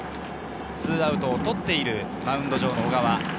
２アウトを取っているマウンド上の小川。